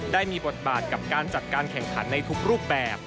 ได้มีบทบาทกับการจัดการแข่งขันในทุกรูปแบบ